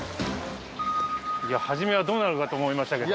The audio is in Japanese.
はじめはどうなるかと思いましたけど。